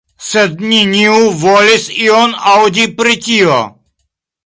Sed neniu volis ion aŭdi pri tio.